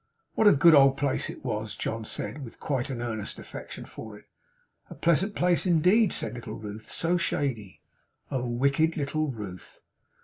'What a good old place it was!' John said. With quite an earnest affection for it. 'A pleasant place indeed,' said little Ruth. 'So shady!' Oh wicked little Ruth!